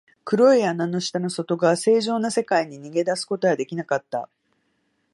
黒い穴の下の外側、正常な世界に逃げ出すことはできなかった。